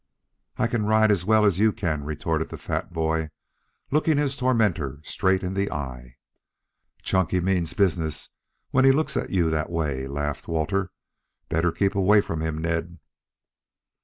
"I can ride as well as you can," retorted the fat boy, looking his tormentor straight in the eyes. "Chunky means business when he looks at you that way," laughed Walter. "Better keep away from him, Ned."